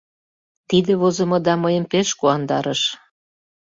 Тиде возымыда мыйым пеш куандарыш.